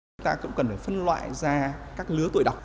chúng ta cũng cần phải phân loại ra các lứa tuổi đọc